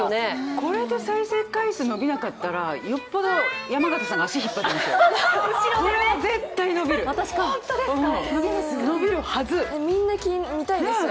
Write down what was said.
これで再生回数伸びなかったらよっぽど山形さんが足を引っ張ってますよ。